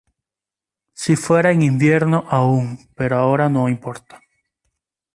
Si fuera en invierno aún. Pero ahora no importa.